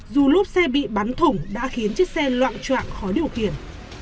dù lốp xe bị bắn thủng đã khiến chiếc xe loạn trọng khó điều khiển